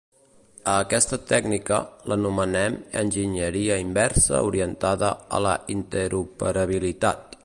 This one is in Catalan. A aquesta tècnica l'anomenem enginyeria inversa orientada a la interoperabilitat.